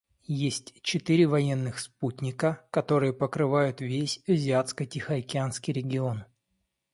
Есть четыре военных спутника, которые покрывают весь Азиатско-Тихоокеанский регион.